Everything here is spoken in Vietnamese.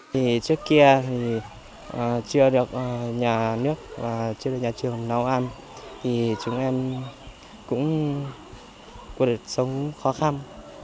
vì chưa được nhà nước và chưa được nhà trường nấu ăn thì chúng em cũng cuộc đời sống khó khăn